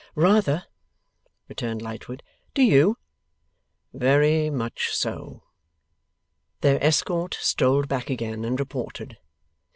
'Rather,' returned Lightwood. 'Do you?' 'Very much so.' Their escort strolled back again, and reported.